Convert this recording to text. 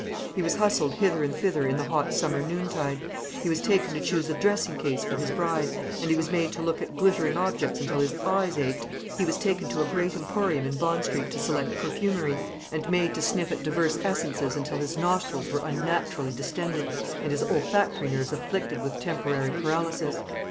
He was hustled hither and thither in the hot summer noontide. He was taken to choose a dressing case for his bride; and he was made to look at glittering objects until his eyes ached, and he could see nothing but a bewildering dazzle of ormolu and silver gilt. He was taken to a great emporium in Bond Street to select perfumery, and made to sniff at divers essences until his nostrils were unnaturally distended, and his olfactory nerves afflicted with temporary paralysis.